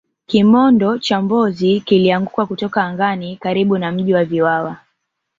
kimondo cha mbozi kilianguka kutoka angani karibu na mji wa vwawa